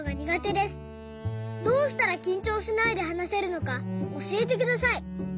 どうしたらきんちょうしないではなせるのかおしえてください」。